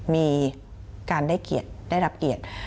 มีการได้เกียรติได้รับเกียรติ